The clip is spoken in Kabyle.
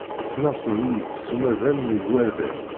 Teṣneṣlem-iyi-d seg umaḍal n yigerdan.